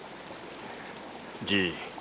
じい。